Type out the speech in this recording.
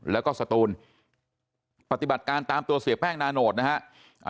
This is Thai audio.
แล้วก็สตูนปฏิบัติการตามตัวเสียแป้งนาโนตนะฮะ